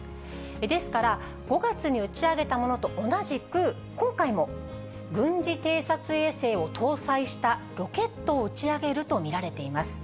ですから、５月に打ち上げたものと同じく、今回も軍事偵察衛星を搭載したロケットを打ち上げると見られています。